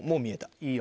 いいよ。